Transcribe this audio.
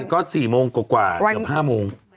ก็๔โมงกว่ากว่าหรือ๕โมง